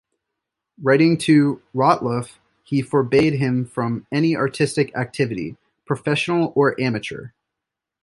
Writing to Rottluff, he forbade him from any artistic activity "professional or amateur".